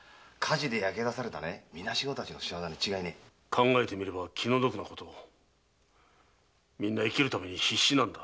考えてみれば気の毒なことみんな生きるために必死なのだ。